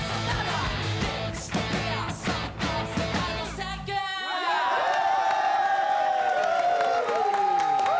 サンキュー！